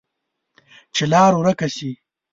چې لار ورکه شي،